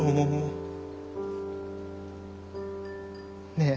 ねえ。